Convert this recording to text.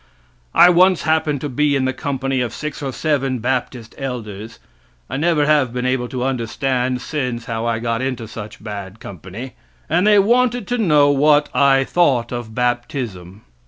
I once happened to be in the company of six or seven baptist elders (I never have been able to understand since how I got into such bad company), and they wanted to know what I thought of baptism.